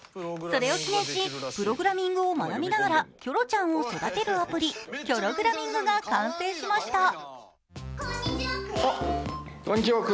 それを記念し、プログラミングを学びながらキョロちゃんを育てるアプリ、キョログラミングが完成しました。